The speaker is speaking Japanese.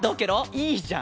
いいじゃん！